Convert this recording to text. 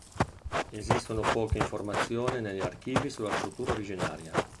Esistono poche informazioni negli archivi sulla struttura originaria.